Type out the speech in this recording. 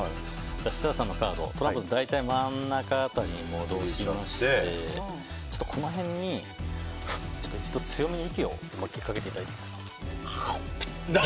設楽さんのカード大体真ん中辺りに戻しましてこの辺にふっと強めに息を吹きかけていただいていいですか。